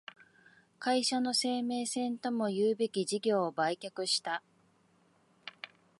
会社の生命線ともいうべき事業を売却した